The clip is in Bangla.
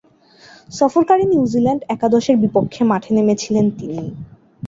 সফরকারী নিউজিল্যান্ড একাদশের বিপক্ষে মাঠে নেমেছিলেন তিনি।